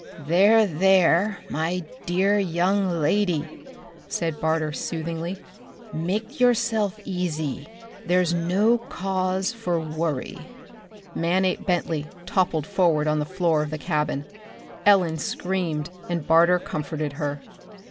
"There, there, my dear young lady," said Barter soothingly. "Make yourself easy. There's no cause for worry." Manape Bentley toppled forward on the floor of the cabin. Ellen screamed and Barter comforted her.